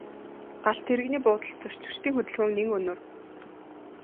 Галт тэрэгний буудалд зорчигчдын хөдөлгөөн нэн өнөр.